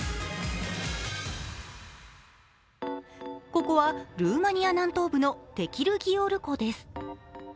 ここはルーマニア南東部のテキルギオル湖です。